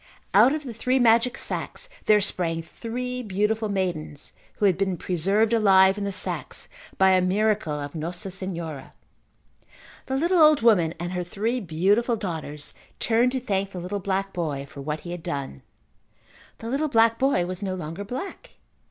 Out of the three magic sacks there sprang three beautiful maidens who had been preserved alive in the sacks by a miracle of Nossa Senhora. The little old woman and her three beautiful daughters turned to thank the little black boy for what he had done. The little black boy was no longer black.